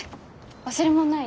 忘れ物ない？